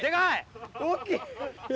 大きい。